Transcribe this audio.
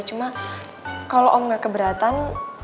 cuma kalo om gak keberatan